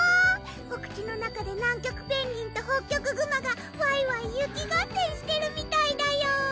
お口の中で南極ペンギンとホッキョクグマがわいわい雪合戦してるみたいだよ！